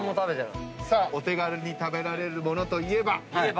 お手軽に食べられる物といえば。